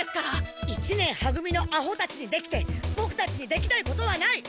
一年は組のアホたちにできてボクたちにできないことはない！